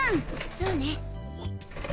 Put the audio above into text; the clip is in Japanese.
そうね。